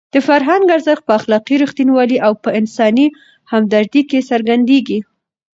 د فرهنګ ارزښت په اخلاقي رښتینولۍ او په انساني همدردۍ کې څرګندېږي.